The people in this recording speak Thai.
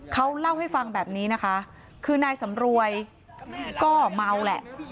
เขาเล่าให้ฟังแบบนี้นะคะคือนายสำรวยก็เมาแหละ